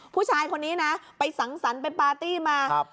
ผู้ชายคนนี้นะไปสังสรรค์ไปปาร์ตี้มา